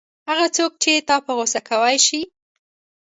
هغه څوک چې تا په غوسه کولای شي.